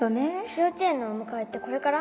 幼稚園のお迎えってこれから？